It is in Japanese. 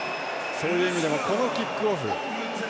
そういう意味でもこのキックオフ。